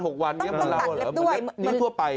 ต้องตัดเล็บด้วยเหมือนเล็บนิ้วทั่วไป